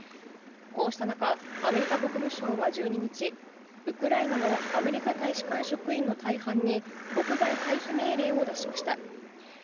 こうした中、アメリカ国務省は１２日、ウクライナのアメリカ大使館職員の大半に、国外退避命令を出しました。